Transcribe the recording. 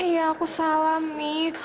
iya aku salah mi